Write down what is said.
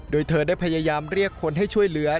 โดยเธอได้พยายามเรียกคนให้ช่วยเหลือ